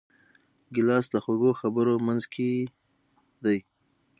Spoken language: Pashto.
ګیلاس د خوږو خبرو منځکۍ دی.